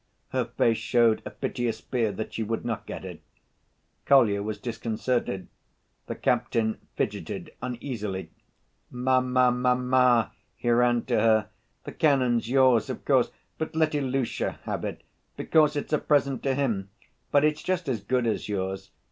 Her face showed a piteous fear that she would not get it. Kolya was disconcerted. The captain fidgeted uneasily. "Mamma, mamma," he ran to her, "the cannon's yours, of course, but let Ilusha have it, because it's a present to him, but it's just as good as yours.